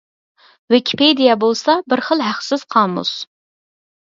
ۋىكىپېدىيە بولسا بىر خىل ھەقسىز قامۇس.